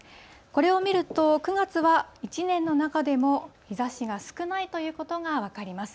これを見ると９月は１年の中でも日ざしが少ないということが分かります。